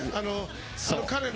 彼の。